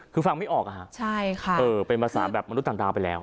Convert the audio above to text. คือฟังไม่ออกอะฮะใช่ค่ะเออเป็นภาษาแบบมนุษย์ต่างดาวไปแล้ว